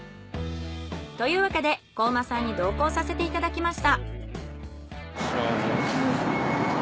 というわけで高麗さんに同行させていただきました。